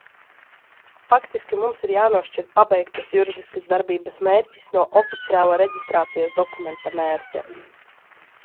Faktiski mums ir jānošķir pabeigtas juridiskas darbības mērķis no oficiāla reģistrācijas dokumenta mērķa.